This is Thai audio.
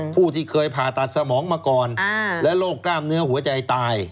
ผู้ที่เคยผ่าตัดสมองมาก่อนและโรคกล้ามเนื้อหัวใจตาย